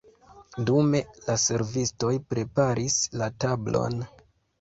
Dume la servistoj preparis la tablon.